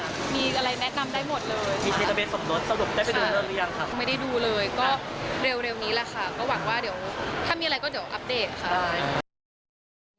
ก็หวังว่าถ้ามีอะไรก็เดี๋ยวอัปเดตค่ะ